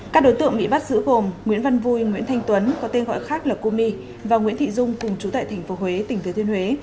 các đối tượng bị bắt giữ gồm nguyễn văn vui nguyễn thanh tuấn có tên gọi khác là cô my và nguyễn thị dung cùng trú tại tp huế tỉnh thế thuyên huế